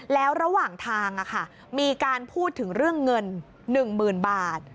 แล้วระหว่างทางมีการพูดถึงเรื่องเงิน๑๐๐๐บาท